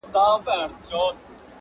له آمو تر مست هلمنده مامن زما دی-